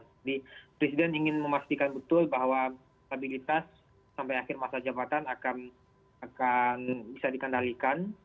jadi presiden ingin memastikan betul bahwa stabilitas sampai akhir masa jabatan akan bisa dikendalikan